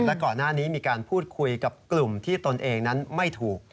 และก่อนหน้านี้มีการพูดคุยกับกลุ่มที่ตนเองนั้นไม่ถูก